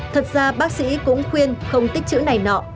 thật ra bác sĩ cũng khuyên không tích chữ này nọ